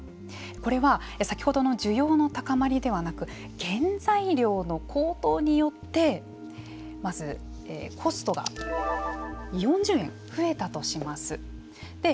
これは先ほどの需要の高まりではなく原材料の高騰によってまずコストが４０円増えたとします。